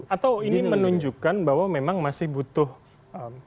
atau ini menunjukkan bahwa memang masih butuh validasi begitu